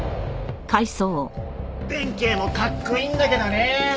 弁慶もかっこいいんだけどね。